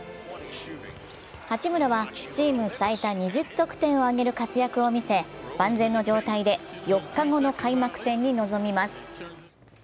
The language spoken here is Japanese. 八村はチーム最多２０得点をあげる活躍を見せ、万全の状態で４日後の開幕戦に臨みます。